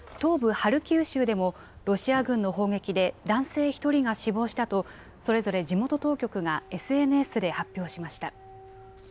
ハルキウ州でもロシア軍の砲撃で男性１人が死亡したとそれぞれ地元当局がＳＮＳで発表しました。